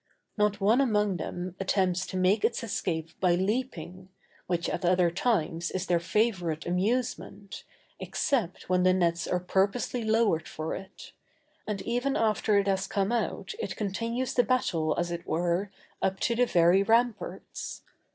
Not one among them attempts to make its escape by leaping, which at other times is their favorite amusement, except when the nets are purposely lowered for it; and even after it has come out it continues the battle, as it were, up to the very ramparts.